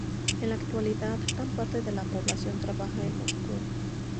En la actualidad, gran parte de la población trabaja en Moscú.